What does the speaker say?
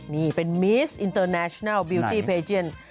นี่เป็นมิสอินเตอร์แนชินัลบิลตี้เพเจียน